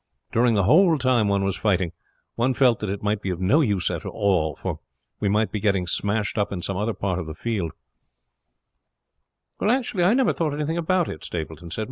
During the whole time one was fighting, one felt that it might be of no use after all, for we might be getting smashed up in some other part of the field." "I never thought anything about it," Stapleton said.